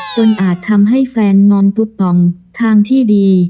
อาจทำให้แฟนงอนปุตปองทางที่ดี